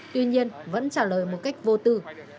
tuy nhiên vẫn trả lời một cách vô tư